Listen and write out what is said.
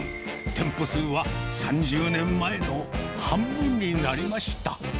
店舗数は３０年前の半分になりました。